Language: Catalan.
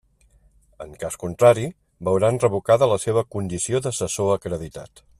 En cas contrari, veuran revocada la seva condició d'assessor acreditat.